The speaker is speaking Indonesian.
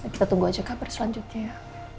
kita tunggu aja kabar selanjutnya